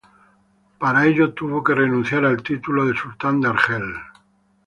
Para ello, tuvo que renunciar al título de Sultán de Argel.